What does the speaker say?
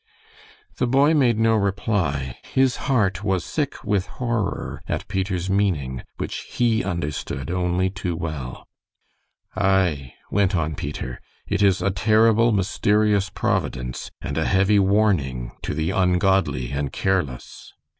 The boy made no reply. His heart was sick with horror at Peter's meaning, which he understood only too well. "Aye," went on Peter, "it is a terrible, mysterious Providence, and a heavy warning to the ungodly and careless."